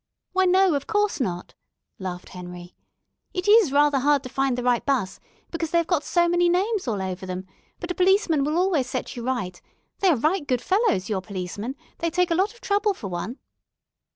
"Why, no, of course not," laughed Henry. "It is rather hard to find the right 'bus, because they have got so many names all over them, but a policeman will always set you right; they are right good fellows, your policemen; they take a lot of trouble for one."